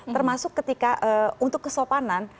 termasuk ketika untuk kesopanan